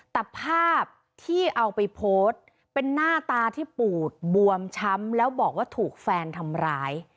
แต่ภาพที่เอาไปโพสต์เป็นหน้าตาที่ปูดบวมช้ำแล้วบอกว่าถูกแฟนทำร้าย